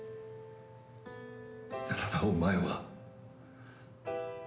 ならばお前は？